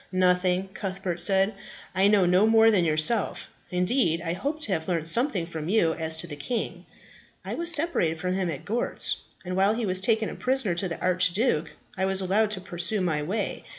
"Nothing," Cuthbert said. "I know no more than yourself. Indeed, I hoped to have learnt something from you as to the king." "I was separated from him at Gortz, and while he was taken a prisoner to the archduke, I was allowed to pursue my way.